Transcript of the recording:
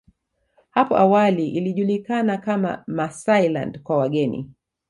Hapo awali ilijulikana kama Maasailand kwa wageni